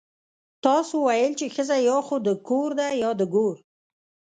تاسو ويل چې ښځه يا خو د کور ده يا د ګور.